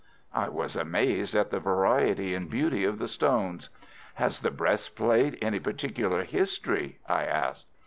I was amazed at the variety and beauty of the stones. "Has the breastplate any particular history?" I asked.